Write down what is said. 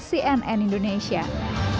jemaah telah disediakan